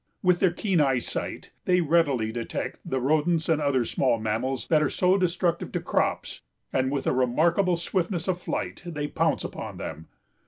With their keen eyesight they readily detect the rodents and other small mammals that are so destructive to crops and with a remarkable swiftness of flight they pounce upon them.